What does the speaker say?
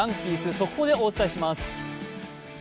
速報でお伝えします。